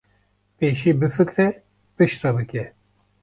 pêşî bifikire piştre bike